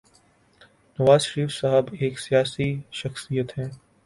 نواز شریف صاحب ایک سیاسی شخصیت ہیں۔